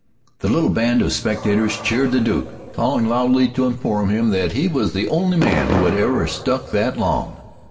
The little band of spectators cheered the Duke, calling loudly to inform him that he was the only man who ever had stuck that long.